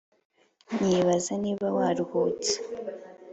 nyibaza niba waruhutse